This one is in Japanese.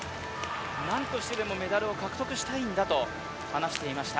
何としてでもメダルを獲得したいんだと話していました